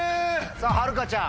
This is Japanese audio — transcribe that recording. さぁはるかちゃん。